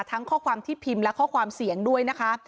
ข้อความที่พิมพ์และข้อความเสียงด้วยนะคะ